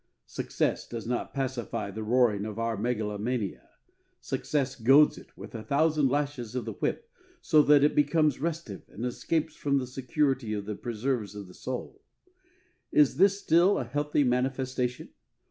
Success does not pacify the roaring of our megalomania. Success goads it with a thousand lashes of the whip so that it becomes restive and escapes from the security of the preserves of the soul. Is this still a healthy manifestation?